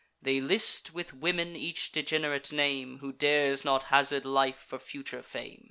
They list with women each degenerate name, Who dares not hazard life for future fame.